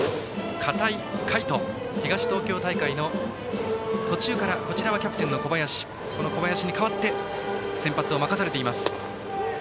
片井海斗、東東京大会の途中からキャプテンの小林に代わって先発を任されています。